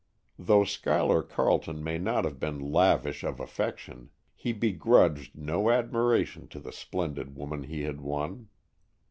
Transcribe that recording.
Though Schuyler Carleton may not have been lavish of affection, he begrudged no admiration to the splendid woman he had won.